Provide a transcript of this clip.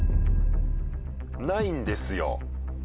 ないんですよ。